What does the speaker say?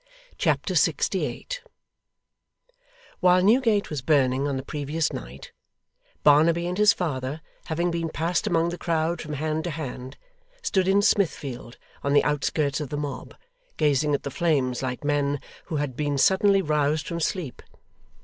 Chapter 68 While Newgate was burning on the previous night, Barnaby and his father, having been passed among the crowd from hand to hand, stood in Smithfield, on the outskirts of the mob, gazing at the flames like men who had been suddenly roused from sleep.